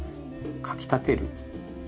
かき立てる。